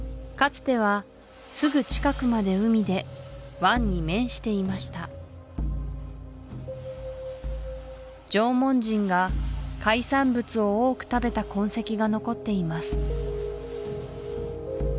つてはすぐ近くまで海で湾に面していました縄文人が海産物を多く食べた痕跡が残っています